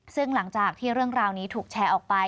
ซึ่งหลังจากที่เรื่องราวนี้ถูกแชร์ออกไป